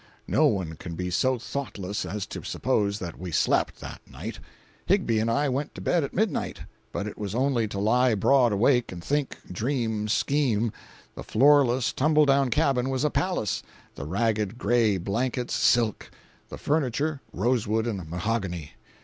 No one can be so thoughtless as to suppose that we slept, that night. Higbie and I went to bed at midnight, but it was only to lie broad awake and think, dream, scheme. The floorless, tumble down cabin was a palace, the ragged gray blankets silk, the furniture rosewood and mahogany.